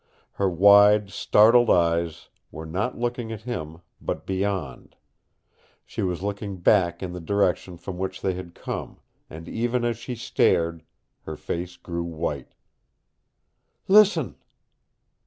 Her wide, startled eyes were not looking at him, but beyond. She was looking back in the direction from which they had come, and even as he stared her face grew white. "LISTEN!"